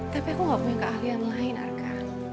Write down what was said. tapi aku gak punya keahlian lain arka